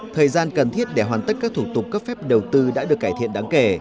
thời gian cần thiết để hoàn tất các thủ tục cấp phép đầu tư đã được cải thiện đáng kể